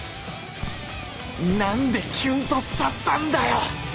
何でキュンとしちゃったんだよ！